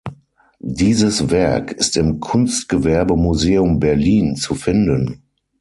Dieses Werk ist im Kunstgewerbemuseum Berlin zu finden.